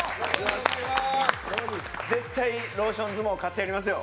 絶対ローション相撲勝ってやりますよ！